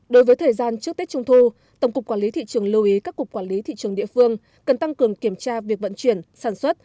đối với thời gian trước tết trung thu tổng cục quản lý thị trường lưu ý các cục quản lý thị trường địa phương cần tăng cường kiểm tra việc vận chuyển sản xuất